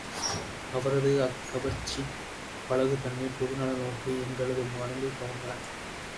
அவரது அக்கவர்ச்சி, பழகுந்தன்மை, பொதுநலநோக்கு எங்களது மனதைக் கவர்ந்தன.